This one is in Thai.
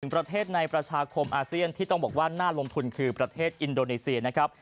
ประเทศในประชาคมอาเซียนที่ต้องบอกว่าน่าลงทุนคือประเทศอินโดนีเซียนะครับ